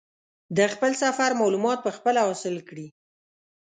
د خپل سفر معلومات په خپله حاصل کړي.